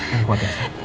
gak kuat ya